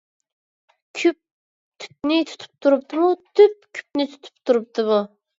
كۈپ تۈپنى تۇتۇپ تۇرۇپتىمۇ؟ تۈپ كۈپنى تۇتۇپ تۇرۇپتىمۇ؟